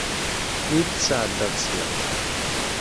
Mi yi-d-tesɛeddaḍ sya.